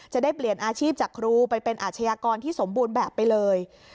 จะได้เปลี่ยนอาชีพจากครูไปเป็นอาชญากรที่สมบูรณ์แบบไปเลย